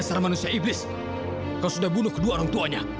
sampai jumpa di video selanjutnya